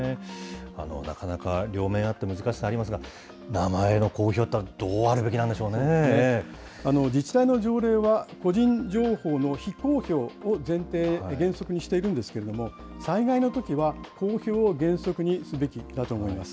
なかなか両面あって難しさありますが、名前の公表というのは自治体の条例は、個人情報の非公表を前提、原則にしているんですけれども、災害のときは公表を原則にすべきだと思います。